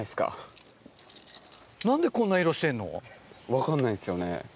分かんないんですよね。